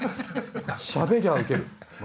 しゃべりゃあウケる！